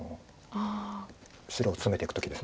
白をツメてく時です。